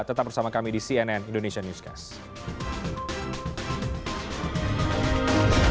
tetap bersama kami di cnn indonesia newscast